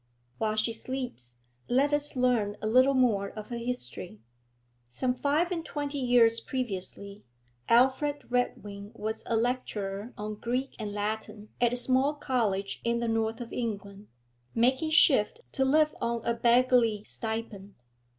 While she sleeps, let us learn a little more of her history. Some five and twenty years previously, Alfred Redwing was a lecturer on Greek and Latin at a small college in the North of England, making shift to live on a beggarly stipend.